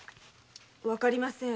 わかりません。